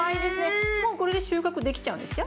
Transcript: もうこれで収穫できちゃうんですよ。